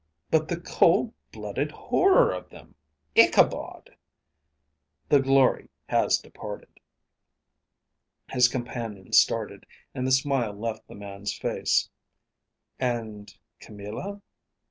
"But the cold blooded horror of them!... Ichabod!" "The glory has departed." His companion started, and the smile left the man's face. "And Camilla?"